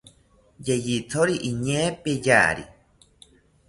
Yeyithori iñee peyari